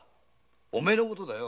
お前のことだよ。